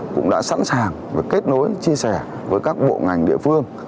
cũng đã sẵn sàng và kết nối chia sẻ với các bộ ngành địa phương